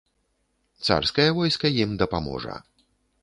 Царскае войска ім дапаможа.